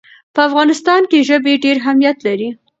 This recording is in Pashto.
په افغانستان کې ژبې ډېر اهمیت لري.